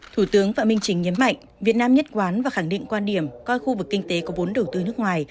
thủ tướng phạm minh chính nhấn mạnh việt nam nhất quán và khẳng định quan điểm coi khu vực kinh tế có vốn đầu tư nước ngoài